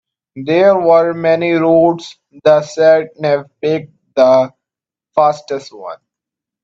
There were many routes, the sat-nav picked the fastest one.